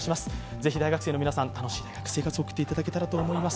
ぜひ大学生の皆さん、楽しんで大学生活を送っていただきたいと思います。